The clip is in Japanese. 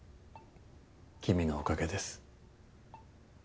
君のおかげです。